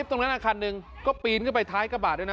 ตรงนั้นคันหนึ่งก็ปีนขึ้นไปท้ายกระบะด้วยนะ